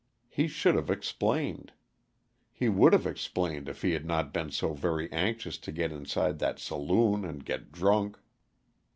He should have explained. He would have explained if he had not been so very anxious to get inside that saloon and get drunk.